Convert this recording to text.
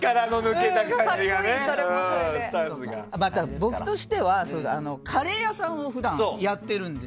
僕としては普段カレー屋さんをやってるんです。